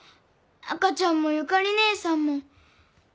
赤ちゃんもゆかりねえさんも。